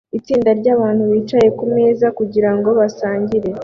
Itsinda ryabantu bicaye kumeza kugirango basangire